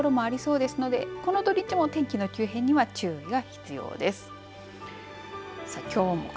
雨雲が湧くようなところもありそうですのでこの土日も天気の急変には注意が必要です。